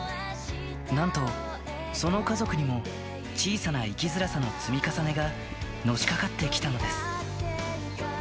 なんと、その家族にも小さな生きづらさの積み重ねがのしかかってきたのです。